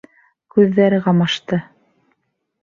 Күҙҙәре ҡамашты.